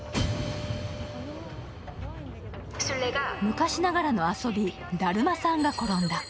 昔ながらの遊びだるまさんが転んだ。